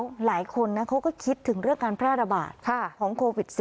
หลายคนนะเขาก็คิดถึงเรื่องการแพร่ระบาดของโควิด๑๙